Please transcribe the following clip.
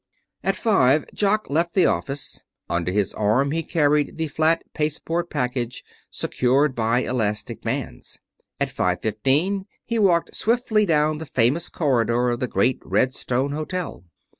At five Jock left the office. Under his arm he carried the flat pasteboard package secured by elastic bands. At five fifteen he walked swiftly down the famous corridor of the great red stone hotel.